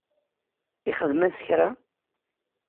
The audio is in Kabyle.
Ixdem-as kra?